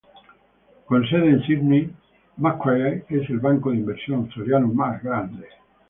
Con sede en Sídney, Macquarie es el banco de inversión australiano más grande.